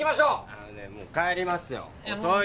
あのねもう帰りますよ遅いから。